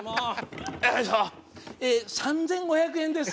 ３５００円です。